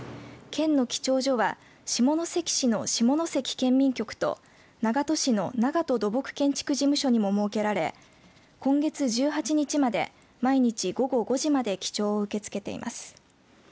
県の記帳所は下関市の下関県民局と長門市の長門土木建築事務所にも設けられ今月１８日まで毎日、午後５時まで記帳を受け付けています。